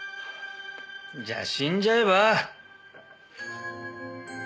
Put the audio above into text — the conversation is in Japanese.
じゃあ死んじゃえば？